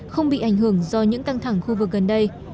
không bị ảnh hưởng do những căng thẳng khu vực gần đây